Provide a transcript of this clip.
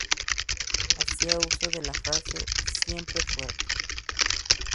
Hacía uso de la frase "Siempre fuerte".